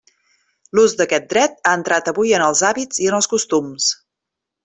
L'ús d'aquest dret ha entrat avui en els hàbits i en els costums.